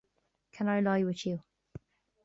Can I lie with you?